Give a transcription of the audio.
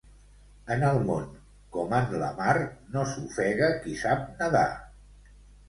En el món, com en la mar, no s'ofega qui sap nadar.